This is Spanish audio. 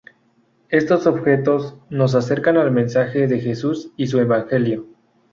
Estos objetos nos acercan al mensaje de Jesús y su Evangelio.